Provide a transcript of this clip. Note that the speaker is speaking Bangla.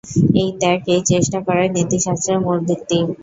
এই ত্যাগ, এই চেষ্টা করাই নীতিশাস্ত্রের মূল ভিত্তি।